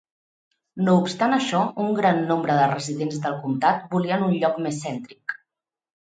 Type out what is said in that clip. No obstant això, un gran nombre de residents del comtat volien un lloc més cèntric.